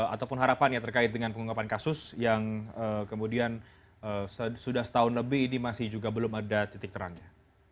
ataupun harapannya terkait dengan pengungkapan kasus yang kemudian sudah setahun lebih ini masih juga belum ada titik terangnya